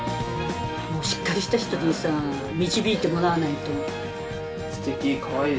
しっかりした人に導いてもらわないと。